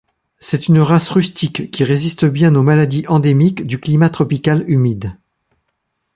C'est une race rustique qui résiste bien aux maladies endémiques du climat tropical humide.